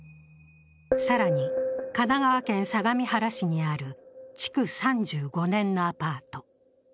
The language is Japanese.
更に、神奈川県相模原市にある築３５年のアパート。